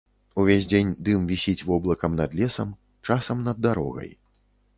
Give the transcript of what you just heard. Увесь дзень дым вісіць воблакам над лесам, часам над дарогай.